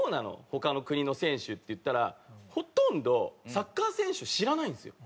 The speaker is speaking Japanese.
他の国の選手」って言ったらほとんどサッカー選手知らないんですよ。